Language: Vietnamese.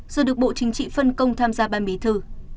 rồi được bộ chính trị phân công tham gia ban bí thư